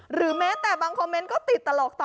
หรือแม้แต่บางคอมเมนต์ก็ติดตลกต่อ